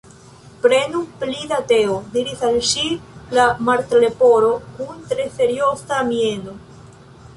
"Prenu pli da teo," diris al ŝi la Martleporo, kun tre serioza mieno.